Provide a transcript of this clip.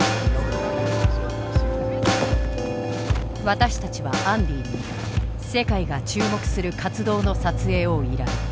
私たちはアンディに世界が注目する活動の撮影を依頼。